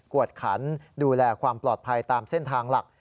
วดขันดูแลความปลอดภัยตามเส้นทางหลัก